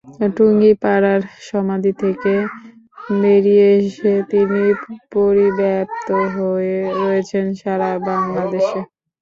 টুঙ্গিপাড়ার সমাধি থেকে বেরিয়ে এসে তিনি পরিব্যাপ্ত হয়ে রয়েছেন সারা বাংলাদেশে।